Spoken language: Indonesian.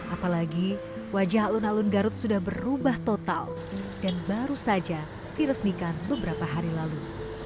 apalagi wajah alun alun garut sudah berubah total dan baru saja diresmikan beberapa hari lalu